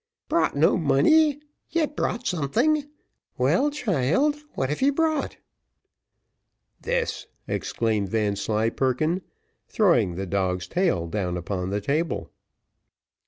"Brought no money yet brought something! well, child, what have you brought?" "This!" exclaimed Vanslyperken, throwing the dog's tail down upon the table.